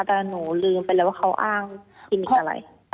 แต่หนูลืมไปแล้วว่าเขาอ้างคลินิกอะไร